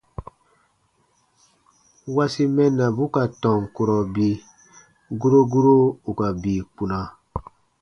- wasi mɛnnabu ka tɔn kurɔ bii : guro guro ù ka bii kpuna.